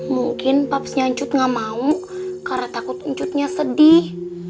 mungkin papasnya ncut gak mau karena takut ncutnya sedih